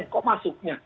nih kok masuknya